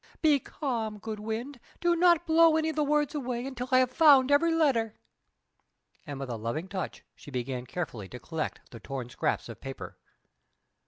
Be calm, good wind; do not blow any of the words away until I have found every letter." And with a loving touch she began carefully to collect the torn scraps of paper.